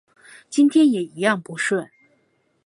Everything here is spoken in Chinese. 今天也一样不顺